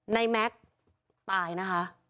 แม็กซ์ตายนะคะ